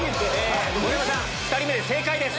盛山さん２人目で正解です！